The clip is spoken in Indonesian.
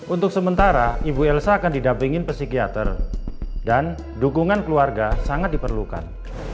untuk sementara ibu elsa akan didampingin psikiater dan dukungan keluarga sangat diperlukan